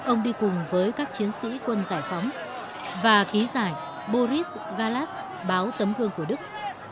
ông đi cùng với các chiến sĩ quân giải phóng và ký giải boris galas báo tấm gương của đức